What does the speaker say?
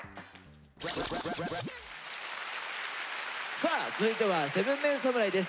さあ続いては７ＭＥＮ侍です。